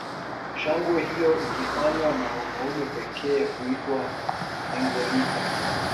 Shangwe hiyo ikifanywa na wanaume pekee huitwa engoliga